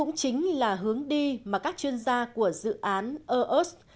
cũng chính là hướng đi mà các chuyên gia của dự án eos